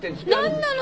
何なのよ！